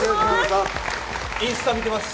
インスタ見てます。